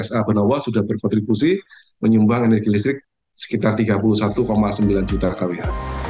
sudah berkontribusi menyumbang energi listrik sekitar tiga puluh satu sembilan juta kwh